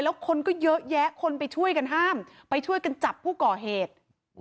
แล้วคนก็เยอะแยะคนไปช่วยกันห้ามไปช่วยกันจับผู้ก่อเหตุ